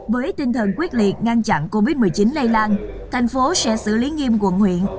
với tinh thần quyết liệt ngăn chặn covid một mươi chín lây lan thành phố sẽ xử lý nghiêm quận huyện